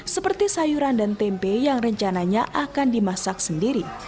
seperti sayuran dan tempe yang rencananya akan dimasak sendiri